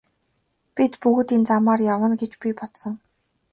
Бид бүгд тэр замаар явна гэж би бодсон.